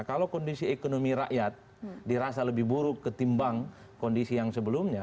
kalau kondisi ekonomi rakyat dirasa lebih buruk ketimbang kondisi yang sebelumnya